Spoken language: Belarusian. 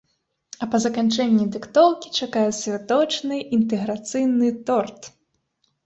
А па заканчэнні дыктоўкі чакае святочны, інтэграцыйны торт.